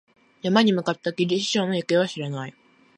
山に向かったきり、師匠の行方は知れない。